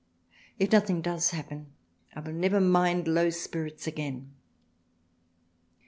if nothing does happen I will never mind low Spirits again.